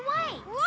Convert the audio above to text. うわ！